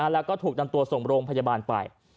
แล้วก็ถูกนำตัวส่งโรงพยาบาลไป